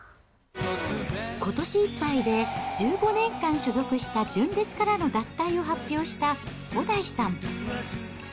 ことしいっぱいで１５年間所属した純烈からの脱退を発表した、小田井さん。